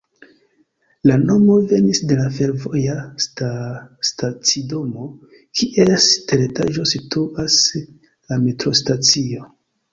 La nomo venis de la fervoja stacidomo, kies teretaĝo situas la metrostacio.